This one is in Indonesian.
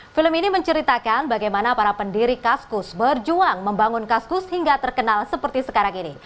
film ini menceritakan bagaimana para pendiri kaskus berjuang membangun kaskus hingga terkenal seperti sekarang ini